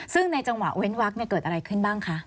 ซึ่งในจังหวะเว้นวักเกิดอะไรขึ้นบ้างคะ